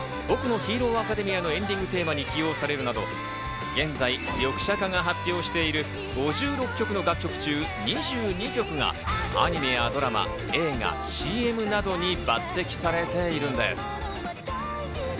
『僕のヒーローアカデミア』のエンディングテーマに起用されるなど、現在、リョクシャカが発表している５６曲の楽曲中、２２曲がアニメやドラマ、映画、ＣＭなどに抜擢されているんです。